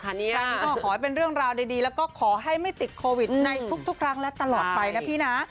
ครั้งนี้ก็ขอให้เป็นเรื่องราวดีแล้วก็ขอให้ไม่ติดโควิดในทุกครั้งและตลอดไปนะพี่นะ